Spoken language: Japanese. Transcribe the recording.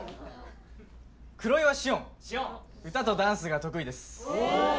黒岩紫音歌とダンスが得意ですおお！